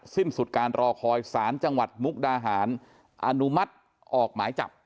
สิ้นสุดการรอคอยสารจังหวัดมุกดาหารอนุมัติออกหมายจับ